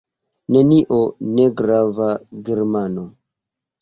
Nenio: negrava Germano.